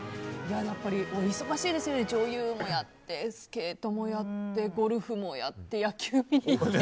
やっぱり、お忙しいですね女優もやってスケートもやってゴルフもやって、野球見に行って。